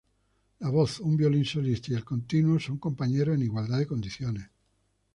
La voz, un violín solista y el continuo son compañeros en igualdad de condiciones.